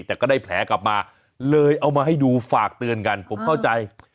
แต่ก็ได้แผลกลับมาเลยเอามาให้ดูฝากเตือนกันผมเข้าใจ